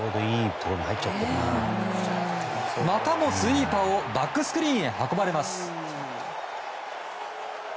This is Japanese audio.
またもスイーパーをバックスクリーンへ運ばれます。